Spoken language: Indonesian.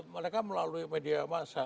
mereka melalui media masa